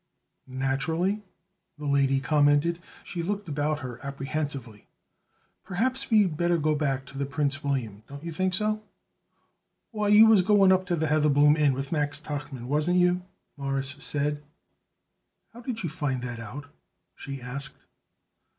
"Naturally?" the lady commented. She looked about her apprehensively. "Perhaps we'd better go back to the Prince William. Don't you think so?" "Why, you was going up to the Heatherbloom Inn with Max Tuchman, wasn't you?" Morris said. "How did you find that out?" she asked.